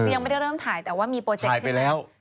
ยังไม่ได้เริ่มถ่ายแต่ว่ามีโปรเจ็คขึ้น